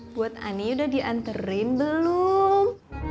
buat ani udah dianterin belum